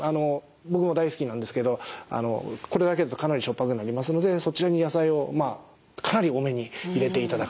僕も大好きなんですけどこれだけだとかなりしょっぱくなりますのでそちらに野菜をかなり多めに入れていただく。